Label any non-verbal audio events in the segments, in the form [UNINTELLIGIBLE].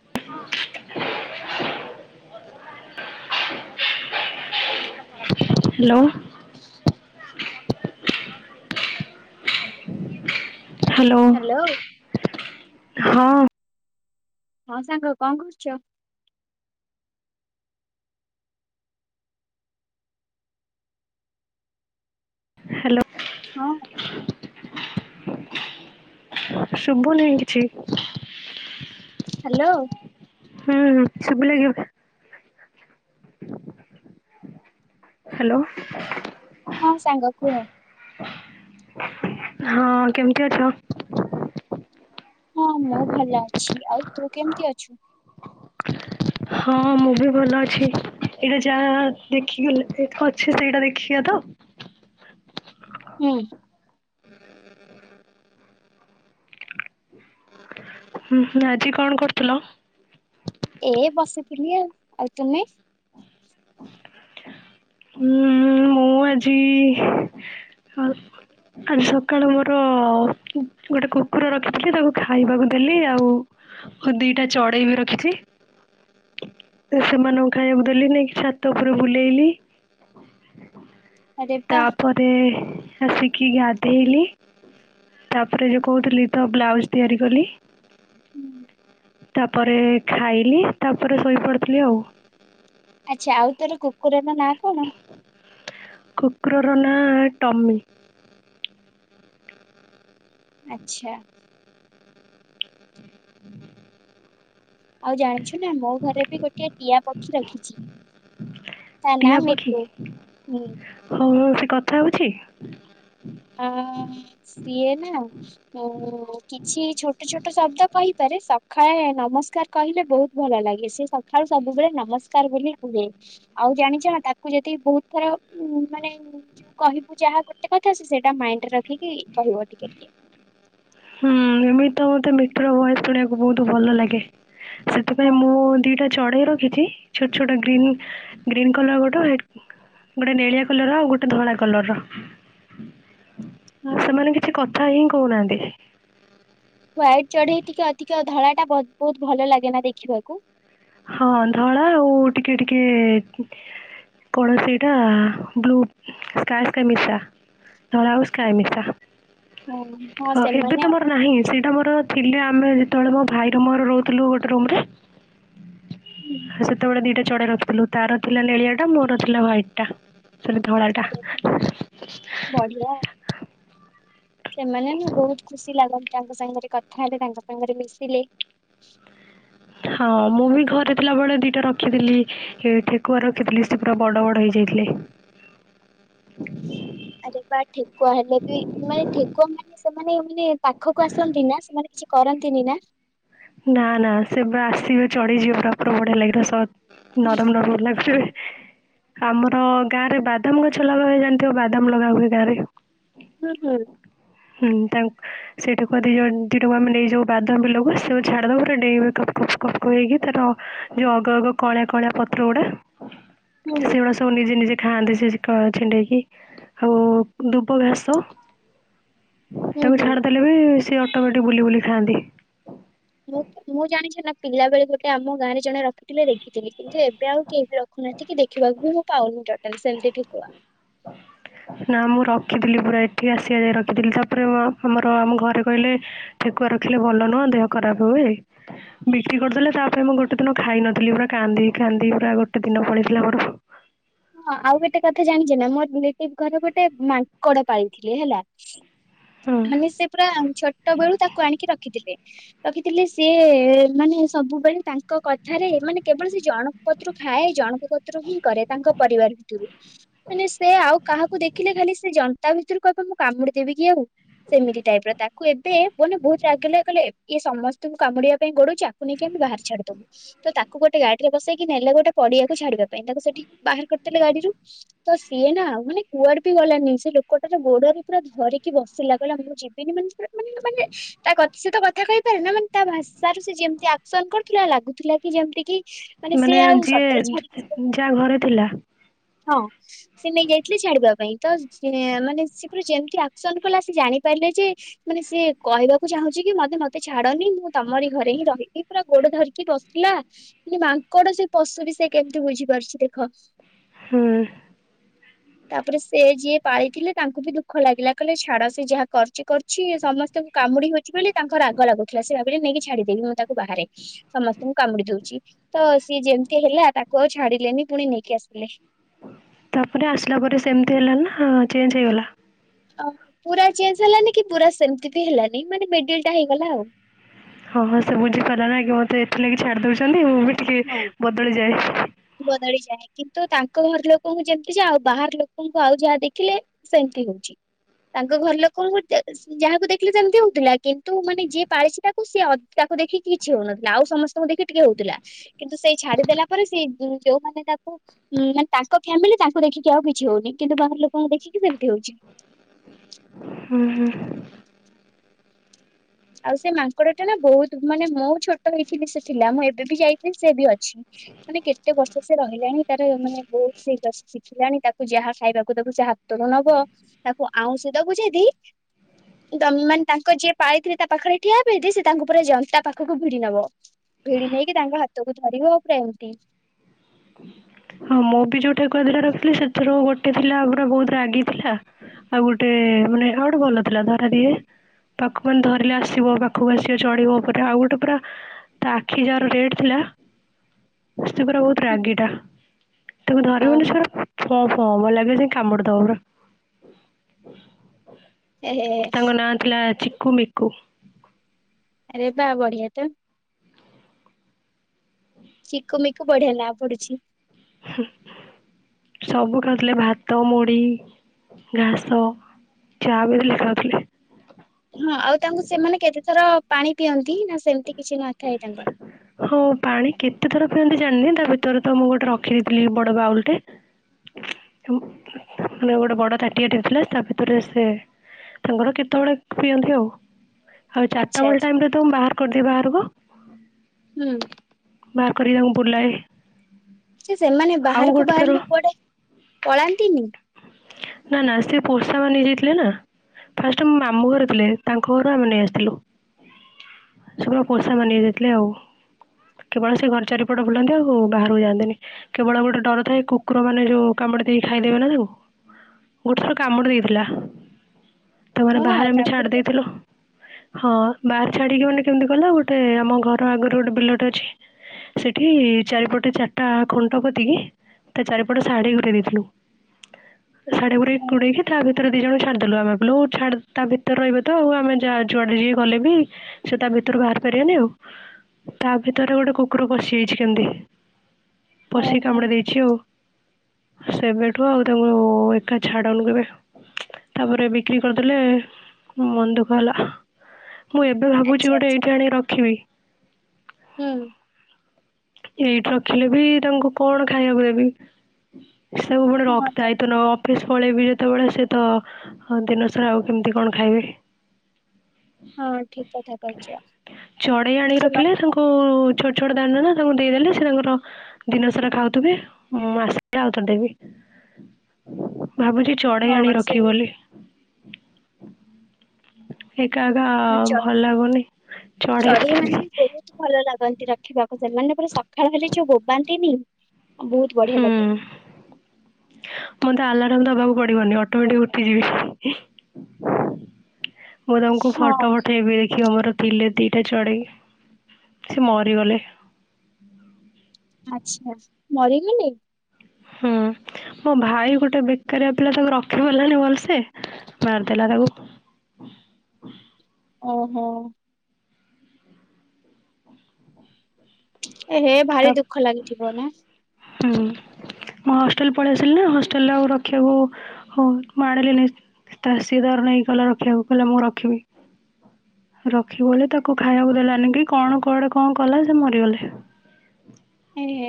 ହ hello. Hello hello ହଁ । ହଁ ସାଙ୍ଗ କଣ କରୁଚ । ହାଲୋ । ହଁ ଶୁଭ ନେଇ କିଛି । ହା ଲୋ । ହୁଁ ହୁଁ ଶୁଭିଲା କି । ହାଲୋ । ହଁ ସାଙ୍ଗ କୁହ । ହଁ କେମିତି ଅଛ । ହଁ ମୁର ଭଲ ଅଛି ଆଉ ତୁ କେମିତି ଅଛୁ । ହଁ ମୁଁ ବି ଭଲ ଅଛି ଏଇଟା ଯାହା ଦେଖି ଗଲେ ଅଛି ସେଇଟା ଦେଖିବା ତ । [INAUDIBLE] ହୁଁ । ହୁଁ ହୁଁ ଆଜି କଣ କରୁଥିଲ । ଏ ବସିଥିଲି ଆଉ ଆଉ ତୁମେ । ହୁଁ ମୁଁ ଆଜି ମୁ । ଆଜି ସକାଳୁ ମୋର ଗୋଟେ କୁକୁର ରଖିଥିଲି ତାକୁ ଖାଇବାକୁ ଦେଲି ଆଉ । ହ ଦିଟା ଚଢେଇ ବି ରଖିଛି ସେମାନଙ୍କୁ ଖାଇବାକୁ ଦେଲି ନେଇକି । ଛାତ ଉପୁର ବୁଲେଇଲି ଆରେ ବା ତାପରେ ଆସି । କି ଗାଧେଇଲି ତାପରେ ଯୋଉ କହୁଥିଲି ତ ବ୍ଲାଉଜ୍ ତିଆରି କଲି। ହୁଁ। ତାପରେ ଖାଇଲି ତାପରେ ଶୋଇପଡ଼ିଥିଲି ଆଉ। ଆଚ୍ଛା ଆଉ ତୋର କୁକୁରର ନାଁ କଣ। କୁକୁରର ନାଁ ଟମି। ଆଚ୍ଛା। ଆଉ ଜାଣିଛୁ ନା ମୋ ଘରେ ବି ଗୋଟିଏ ଟିଆ ପକ୍ଷି ରଖିଛି ତା ନାଁ ଟିଆ ପକ୍ଷୀ ମିଟୁ ହୁଁ। ହଉ ହଉ ସେ କଥା ହୋଉଛି ଆ ସିଏ ନା ଓ କିଛି ଛୋଟ ଛୋଟ ଶବ୍ଦ କହିପାରେ ସ ସଖାଳେ ନମସ୍କାର କହିଲେ ବହୁତ ଭଲ ଲାଗେ ସେ ସଖାଳୁ ସବୁବେଳେ ନମସ୍କାର ବୋଲି କୁହେ ଆଉ ଆଉ ଜାଣିଛ ନା ତାକୁ ଯଦି ବହୁତ ଥର ଉଁ ମାନେ କହିବୁ ଯାହା ଗୋଟେ କଥା ସେ ସେ ମାଇଣ୍ଡରେ ରଖିକି କହିବ ଟିକେ ଟିକେ। ହୁଁ ଏମିତି ତ ମତେ ମିତ୍ର ଭଏସ୍‌ ଶୁଣିବାକୁ ବହୁତ ଭଲ ଲାଗେ। ସେଥିପାଇଁ ହଁ ମୁଁ ଦିଟା ଚଢ଼େଇ ରଖିଛି ଛୋଟ ଛୋଟ ଗ୍ରୀନ୍ ଗ୍ରୀନ୍ କଲର ଗୋଟେ ଗୋଟେ ନେଳିଆ କଲର ଆଉ ଗୋଟେ ଧଳା କଲରର। ହଁ ସେମାନେ କିଛି କଥା ହିଁ କହୁନାହାନ୍ତି। ୱାଇଟ ଚଢେଇ ଟିକେ ଅଧିକ ଧଳାଟା ବହୁତ ବହୁତ ଭଲ ଲାଗେନା ଦେଖିବାକୁ। ହଁ ଧଳା ଆଉ ଟିକେ ଟିକେ କଣ ସେଇଟା ବ୍ଲୁ ସ୍କାଏ [UNINTELLIGIBLE] ଧଳା ଆଉ ସ୍କାଏ ମିଶା। ହଁ ହଁ ଏବେ ସେମାନେ ତ ଆମ ମୋର ନାହିଁ ସେଇଟା ମୋର ଥିଲେ ଆମେ ଯେତେବେଳେ ମୋ ଭାଇ ର ମୋର ରହୁଥିଲୁ ଗୋଟେ ରୁମରେ। ହୁଁ। ସେତେବେଳେ ଦିଟା ଚଢେଇ ରଖିଥିଲୁ ତାର ଥିଲା ନେଳିଆ ଟା ମୋର ଥିଲା ହ୍ଵାଇଟ୍ ଟା। ସେଟା ଧଳାଟା। ଆରେ ବାଃ, ବଢିଆ ସେମାନେ ନା ବହୁତ୍ ଖୁସି ଲାଗନ୍ତି ତାଙ୍କ ସାଙ୍ଗରେ କଥା ହେଲେ ତାଙ୍କ ସାଙ୍ଗରେ ମିଶିଲେ। [INAUDIBLE] ହଁ ମୁଁ ବି ଘରେ ଥିଲାବେଳେ ଦିଟା ରଖିଥିଲି ଏ ଠେକୁଆ ରଖିଥିଲି ସେତ ବଡ ବଡ ହେଇ ହେଇଥିଲେ। ଆରେ ବା ଠେକୁଆ ହେଲେ ବି ମାନେ ଠେକୁଆ ମାନେ ସେମାନେ ମାନେ ପାଖକୁ ଆସନ୍ତି ନା ସେମାନେ। କିଛି କରନ୍ତିନି ନା। ନା ନା ସେବେ ଆସିବ ଚଢିଯିବ ପୁରା ବଢିଆ ଲାଗିଲା ସ ନରମ ନରମ ଲାଗିବେ। ଆମର ଗାଁ ରେ ବାଦାମ ଗଛ ଲଗାହୁଏ ଜାଣିଥିବ ବାଦାମ ଲଗା ହୁଏ ଗାଁରେ। ହୁଁ ହୁଁ । ହୁଁ ତାଙ୍କୁ ସେଇଠା ଲୋକ ଦିଟାକୁ ନେଇଯାଉ ବାଦାମ ବିଲକୁ ସେ। ଝାଡ଼ିଦେବ ପୁରା ଡେଇଁବେ କ୍ କ୍ କ୍ କପ୍ ହେଇକି ତାର ଯୋଉ ଅଗ ଅଗ କଳା କଳା ପତ୍ର ଗୁଡା। ହୁଁ ହୁଁ ସେଗୁଡା ସବୁ ନିଜେ ନିଜେ ଖାଆନ୍ତି ସେକ କଳା ଛିଣ୍ଡେଇକି ଆଉ ଦୁବ ଘାସ। ହୁଁ ତାକୁ ଛାଡିଦେଲେ ବି ସିଏ ଅଟୋମେଟିକ ବୁଲି ବୁଲି ଖାଆନ୍ତି। ମୁଁ ମୁଁ ଜାଣିଛି ନା ପିଲା ବେଳେ ଗୋଟେ ଆମ ଗାଁରେ ଜଣେ ରଖିଥିଲେ ଦେଖି। ଥିଲି କିନ୍ତୁ ଏବେ ଆଉ କେହି ବି ରଖି ନାହାନ୍ତି କି ଦେଖିବାକୁ ବି ମୁଁ ପାଉନି ତ । ସେମିତି ଠେକୁଆ। ନା ମୁଁ ରଖିଥିଲି ପୁରା ଏଠି ଆସିବା ଯାଏ ରଖିଥିଲି ତାପରେ ଆମର ଆମ ଘରେ କହିଲେ ଠେକୁଆ ରଖିଲେ ଭଲ ନୁହଁ। ଦେହ ଖରାପ ହୁଏ ବିକ୍ରି କରିଦେଲେ ତାପରେ ମୁଁ ଗୋଟେ ଦିନ ଖାଇନଥିଲି ପୁରା କାନ୍ଦି କାନ୍ଦି ପୁରା ଗୋ ଗୋଟେ ଦିନ ପଳେଇଥିଲା ମୋର। ହଁ ଆଉ ଗୋଟେ କଥା ଜାଣିଛ ନା ମୋ ରିଲେଟିଭ ଘରୁ ଗୋଟେ ମାଙ୍କଡ ପାଇଥିଲେ ହେଲା। ହୁଁ ମାନେ ସେ ପୁରା ଛୋଟ ବେଳୁ ତାକୁ ଆଣିକି ରଖିଥିଲେ। ରଖିଥିଲେ ସିଏ ମାନେ ସବୁବେଳେ ତାଙ୍କ କଥାରେ ମାନେ କେବଳ ସେ ଜଣଙ୍କ କତିରୁ ଖାଏ ଜଣକ କତୁରୁ ହିଁ କରେ ତାଙ୍କ ପରିବାର ଭିତରୁ ମାନେ ସେ ଆଉ କାହାକୁ ଦେଖିଲେ ଖାଲି ସେ ଜ କଣ୍ଟା ଭିତରୁ କହିବେ ମୁଁ କାମୁଡ଼ି ଦେବି କି ଆଉ। ସେମିତି ଟାଇପର ତାକୁ ଏବେ ମାନେ ବହୁତ ରାଗ ଲାଗିଲେ ଇଏ କଲେ ଇଏ ସମସ୍ତଙ୍କୁ କାମୁଡିବା ପାଇଁ ଗୋଡଉଛିକୁ ନେଇକି ଆମେ ବାହାର ଛାଡିଦବୁ ତ ତାକୁ ଗୋଟେ ଗାଡିରେ ବସେଇକି ନେଲେ ଗୋଟେ ପଡିଆକୁ ଛାଡିବା ପାଇଁ ତାକୁ ସେଠି ବାହାର କରିଦଥିଲେ ଗାଡିରୁ ତ ସିଏ ନା ମାନେ କୁଆଡ ବି ଗଲାନି ସେ କଟରେ ଗୋଡଅରେ ପୁରା ଧରିକି ବସ ସେ ଲାଗିଲା ମୁଁ ଯିବିନି ମାନେୁରା ମାନେ-ମାନେ ତା ସହିତ କଥା କହିପାରେ ନା ମାନେ ତା ଭାଷାରୁ ସେ ଯେମତି କରୁଥିଲା ଲାଗୁଥିଲା କି ଯେମିତି କି ମାନେ ସେ ଆଉ ଯିଏ ସତରେ ଛାଡିକି ଯାହା ଘରେ ଥିଲା। ହଁ ସେ ନେଇ ଯାଇଥିଲେ ଛାଡିବା ପାଇଁ ତ ମାନେ ସେ ପୁରା ଯେମତି ଆକ୍ସନ କଲା ସେ ଜା ଲେ ଯେ ମାନେ ସେ କହିବାକୁ ଚାହୁଁଛି କି ମତେ ମତେ ଛାଡନି ମୁଁ ତମରି ଘରେ ହିଁ ରହିବି ପୁରା ଗଟ ଧରିକି ବସିଲା କି ମାଙ୍କଡ ସେ ପଶୁ ବି ସେ କେମିତି ବୁଝି ପାରୁଛି ଦେଖ ହୁଁ। ତାପରେ ସେ ଯିଏ ପାଳିଥିଲେ ତାଙ୍କୁ ବି ଦୁଃଖ ଲାଗିଲା କହିଲେ ଛାଡ ସେ ଯାହା କରଚ କରଛି ସମସ୍ତଙ୍କୁ କାମୁଡି ହଉଛି ବୋଲି ତାର ରାଗ ଲାଗୁଥିଲା ସେ ନେଇକି ଛାଡିଦେବି ମୁଁ ତାକୁ ବାହାରେ ସମସ୍ତଙ୍କୁ କାମୁଡି ଦଉଛି ତ ସିଏ ଯେମିତି ହେଲା ତାକୁ ଆଉ ଛାଡିଲେନି ପୁଣି ନେଇକି ଆସ ତାପରେ ଆସିଲା ପରେ ସେମିତି ହେଲା ନା ଚେଞ୍ଜ ହେଇଗଲା। ପୁର ଚେଞ୍ଜ ହେଲାନି କି ପୁର ସେମିତି ବି ହେଲାନୋ ମାନେ ମିଡିଲ ଟା ହେଇଗଲା ଆଉ। ହଁ-ହଁ ସେ ବୁଝିପାରିଲା ନା କି ମତେ ଏଥିଲାଗି ଛାଡି ଦଉଛନ୍ତି ମୁଁ ବି ଟିକେ ବଦଳିଯାଏ। ବଦଳିଯାଏ କିନ୍ତୁ ତାଙ୍କ ଘର ଲୋକଙ୍କୁ ଯେମିତି ଯା ଆଉ ବାହାର ଲୋକଙ୍କୁ ଆଉ ଯାହା ଦେଖିଲେ ସେମତି ହେଉଛି। ତାଙ୍କ ଘର ଲୋକ ଯାହାକୁ ଦେଖିଲେ ତାଙ୍କୁ ଦେଉଥିଲା କିନ୍ତୁ ମାନେ ଯିଏ ପାଳିଛି ତାକୁ ସିଏ ତା ଦେଖିକି କିଛି ହଉନଥିଲା ଆଉ ସମସ୍ତଙ୍କୁ ଦେଖି ଟିକେ ହଉଥିଲା କିନ୍ତୁ ସେଇ ଛାଡି ଦେଲା ପରେ ସେଇ ଉଁ ଯୋଉମାନେ ତାଙ୍କୁ ମାନେ ତାଙ୍କ ଫ୍ୟାମିଲି ତାଙ୍କୁ ଦେଖିକି ଆଉ କିଛି ହଉନି କିନ୍ତୁ ବାହାର ଲୋକଙ୍କୁ ଦେଖିକି ସେମିତି ହଉଛି। ଜ ହୁଁ-ହୁଁ। ଆଉ ସେ ମାଙ୍କଡ ଟା ନା ବହୁତ ମାନେ ମୁଁ ଛୋଟ ହେଇଥିଲି ସେ ଥିଲା ମୁଁ ଏବେ ବି ଯାଇଥିଲି ସେ ବି ଅଛି। ମାନେ କେତେ ବର୍ଷ ସେ ରହିଲାଣି ତାର ମାନେ ବହୁତ ସେ ଶିଖିଲାଣି ତାକୁ ଯାହା ଖାଇବାକୁ ତାକୁ ଯାହା ତରୁ ନବ ତାକୁ ଆଉଁସି ଦବୁ ଯଦି ତ ମାନେ ତାଙ୍କ ଯିଏ ପାଳି ତା ପାଖରେ ଠିଆ ହେବେ ଯେ ତାଙ୍କୁ ପୁରା ଜନ୍ତା ପାଖକୁ ଭିଡି ନବ ଭିଡି ନେଇକି ତାଙ୍କ ହାତକୁ ଧାରିବ ପୁରା ଏମିତି। ହଁ ମୁଁ ବି ଯୋଉ ଠେକୁର ଦିଟା ରଖଥିଲି ସେଥିରୁ ଗୋଟେ ଥିଲା ପୁରା ବହୁତ ରାଗି ଥିଲା ଆଉ ଗୋଟେ ମାନେ ଆଉ ଗୋଟେ ଭଲ ଥିଲା ଧରା ଦିଏ। ପାଖ ମାନେ ଧରିଲେ ଆସିବ ପାଖକୁ ଆସିବ ଚଢିବ ଉପରେ ଆଉ ଗୋଟେ ପୁରା ତା ଆଖି ଯାହାର ରେଟ ଥିଲା ସେ ପୁରା ବହୁତ ରାଗିଟା ତାକୁ ଧରିବନି ଓହୋ ସେ ହଁ-ହଁ [UNINTELLIGIBLE] ଲାଗେ ସେ କାମୁଡିଦବା ପୁରା। ଏ ତାଙ୍କ ନାଁ ଥିଲା ଚିକୁ ମିକୁ। ରେ ବା ବଢିଆ ତ ଚିକୁ ମିକୁ ବଢିଆ ନାଁ ପଡୁଛି। ସବୁ ଖାଉଥିଲେ ଭାତ, ମୁଢ ଘାସ ଚା ବିି ଖାଉଥିଲେ। ହଁ ଆଉ ତାଙ୍କୁ ସେମାନେ କେତେ ଥର ପାଣି ପିଅନ୍ତି ନା ସେମତି ହଁ ପାଣି କେତେଥର ପିଅନ୍ତି ଜାଣିନି ତା ଭିତରେ ତ ମୁଁ ଗୋଟେ ରଖିଦେଇଥିଲି ବଡ ବାଉଲ ଟେ ମାନେ ଗୋଟେ ବଡ ତାଟିଆଟେ ଥିଲା ତା ଭିତରେ ସେ ତାଙ୍କର କେତେବେଳେ ପିଅନ୍ତି ଆଉ। ଆଉ ଚାରିଟା ଆଚ୍ଛା ବେଳ ଆଚ୍ଛା ଟାଇମ ରେ ତ ବାହାର କରିଦିଏ ବାହାରକୁ। ହୁଁ। ବାହାର କରି ତାଙ୍କୁ ବୁଲାଏ। ସେ ସେମାନେ ଆଉ ବାହାରକୁ ଗୋଟେ ଥର ବାହାରିଲେ କୁଆଡେ ପଳାନ୍ତିନି? ନା-ନା ସେ ପୋସା ମାନି ଜାଇଥିଲେ ନା। ଫାଷ୍ଟ ମୋ ମାମୁଁ ଘରେ ଥିଲେ ତାଙ୍କ ଘରୁ ଆମେ ନେଇ ଆସିଥିଲୁ। ସେ ପୁରା ପୋସା ମାନି ଯାଇଥିଲେ ଆଉ। କେବଳ ସେ ଘର ଚାରିପଟ ବୁଲାନ୍ତି ଆଉ ବାହାରକୁ ଯାଆନ୍ତିନି କେବଳ ଗୋଟେ ଡର ଥାଏ କୁକୁର ମାନେ ଯୋଉ କାମ କାମୁଡି ଦେଇକି ଖାଇଦେବେ ନା ତାଙ୍କୁ ଗୋଟେ ଥର କାମୁଡି ଦେଇଥିଲା। ତାମାନେ ହଁ ବାହାରେ ଆମ ଛାଡି କାମୁଡି ଦେଇଥିଲୁ। ହଁ ବାହାର ଛାଡିକି ମାନେ କେମିତି କଇଲ ଗୋଟେ ଆମ ଘର ଆଗରୁ ଗୋଟେ ବିଲଟ ଅଛି। ସେଠି ଚାରିପଟେ ଚାରିଟା ଖଣ୍ଟ କତିକି ତା ଚାରିପଟେ ଶାଢୀ ଘରେ ଦେଇଥିଲୁ। ଶାଢ଼ୀ ଗଡ ଘୁଡେଇକି ତା ଭିତରେ ଦି ଜଣ ଛାଡିଦେଲୁ ଆମେ ଲ ଛାଡ ତା ଭିତରେ ରହିବେ ତ ଆଉ ଆମେ ଯାହା ଯୁଆଡେ ଯ ଗଲେ ବି ସେ ତା ଭିତରୁ ବାହାରି ପାରିବେନି ଆଉ। ତା ଭିତରେ ଗୋଟେ କୁକୁର ପଶିଯାଇଚି କେମତି। ପଶି ଓହୋ କାମୁଡା ଦେଇଛି ଆଉ ସେବେଠୁ ଆଉ ତାଙ୍କୁ ହଉ ଏକା ଛାଡନୁ କେବେ। ତାପରେ ବିକ୍ରି କରିଦେଲେ ମନ ଦୁଃଖ ହେଲା। ମୁଁ ଏବେ ଆଚ୍ଛା ଭାବୁଚି ଗୋଟେ ଆଚ୍ଛା ଏଇଠି ଆଣିକି ରଖିବି। ହୁଁ। ଏଇଠି ରଖିଲେ ବି ତାଙ୍କୁ କଣ ଖାଇବାକୁ ଦେବି? ସବୁବେଳେ ହଁ ରଖ ତ ଦାୟୀ ଅଫିସ ପଳେଇବି ଯେତେବେଳେ ସେ ତ ଦିନସାରା ଆଉ କେମିତି କଣ ଖାଇବେ? ହଁ ଠିକ କଥା କହିଛ ଚଢେଇ ଆଣି ତ ରଖିଲେ ସେମାନେ ତାଙ୍କୁ ଛୋଟ ଛୋଟ ଦାନ ନା ତାଙ୍କୁ ଦେଇଦେଲେ ସେ ତାଙ୍କର ଦିନସାରା ଖାଉଥିବେ ମୁଁ ଆସିଲେ ଆଉଥରେ ଦେବି ଭାବୁଚି ଚଢେଇ ଆଣି ହଁ ସେ ରଖିବ ବୋଲି। ଏକା ଏକା ଚଢି ଭଲ ଲାଗୁନି ଚଢ଼େଇ ମାନେ ବି ବହୁତ ଭଲ ଲାଗ ନ୍ତି ରଖିବାକୁ ସେମାନେ ପୁର ସକାଳ ହେ ଯୋଉ ବୋବାନ୍ତିନି ବହୁତ ବଢିଆ ଲାଗେ। ହୁଁ ମୋତେ ଆଲାରାମ ଦବାକୁ ପଡିବନି ଅଟୋମେଟିକ ଉଠି ଯିବେ। ମୁଁ ତମକୁ ହଁ ଫଟୋ ପଠେଇବି ଦେଖିବ ମୋର ଥିଲେ ଦିଟା ଚଢେଇ ସେ ମରିଗଲେ। ଆଚଛା ମରିଗଲେ? ହଁ। ମୋ ଭାଇ ଗୋଟେ ବେକାରଆ ପିଲା ତାକୁ ରଖି ପାରିଲାନି ଭଲସେ ମାରିଦେଲା ତାକୁ। [INAUDIBLE] ଓହୋ। ଏ ହେ ତା ଭାରି ଦୁଃଖ ଲାଗିଥିବ ନା? ହୁଁ ମୁଁ ହଷ୍ଟେଲ ପଳେଇ ଆସିଲି ନା ହଷ୍ଟେଲରେ ଆଉ ରଖିବାକୁ ହଉ ମୁ ଆଣିଲିନି। ତାଷୀ ତାର ନେଇକ ଗଲେ ରଖିବାକୁ କହିଲେ ମୁଁ ରଖିବି। ରଖିବ ବୋଲି ତାକୁ ଖାଇବାକୁ ଦେଲାନି କି କଣ କୁଆଡେ କଣ କଲା ସେ ମରିଗଲେ। [INAUDIBLE] ଏହେ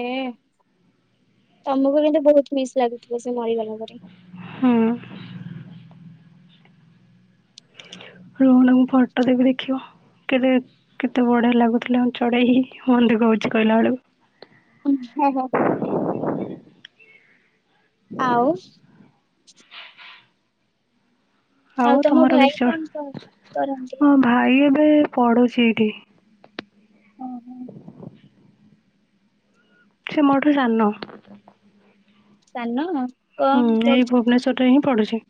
ତମକୁ କିନ୍ତୁ ବହୁତ ମିସ୍ ଲାଗୁଥିବ ସେ ମରିଗଲା ପରେ। ହଁ। ରହନାଙ୍କୁ ଫଟୋ ଦେବି ଦେଖିବ। କେତେ କେତେ ବଢ଼ିଆ ଲାଗୁଥିଲା ମୁ ଚଢ଼େଇ ହିଁ ମନଦୁଃଖ ହଉଚି କହିଲା ବେଳକୁ। ହ ହ। ଆଉ? ଆଉ ହଉ ତମ ତମର ବି ଭାଇ କଣ କର- ଚଢ଼େ, କରନ୍ତି? ହ ଭାଇ ଏ ପଡୁଚି ଏଇଠି। ହୁଁ ହୁଁ। ସେ ମୋରଠ ଜାନ। ସାନ? ହୁଁ କଣ ଏଇ କରୁଛନ୍ତି? ଭୁବନେସ୍ୱର ରେ ହିଁ ପଡୁଛି।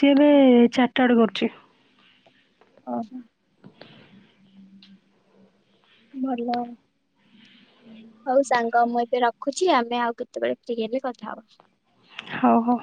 ସିଏ ଏବେ ଚାରିଟାର୍ଡ କରୁଛି। ହଁ । ଭଲ। ହଉ ସାଙ୍ଗ ମୁଁ ଏବେ ରଖୁଚି, ଆମେ ଆଉ କେତେବେଳେ ଫ୍ରି ହେଲେ କଥା ହବା। ହଉ ହଉ।